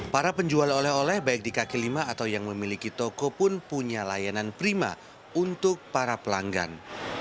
para penjual oleh oleh baik di kaki lima atau yang memiliki toko pun punya layanan prima untuk para pelanggan